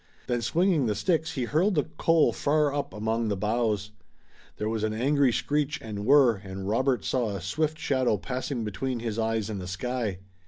Then swinging the sticks he hurled the coal far up among the boughs. There was an angry screech and whirr and Robert saw a swift shadow passing between his eyes and the sky.